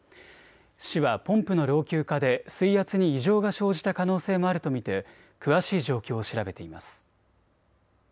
市はポンプの老朽化で水圧に異常が生じた可能性もあると見て詳しい状況を調べています。